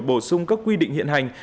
bổ sung các quy định hiện hành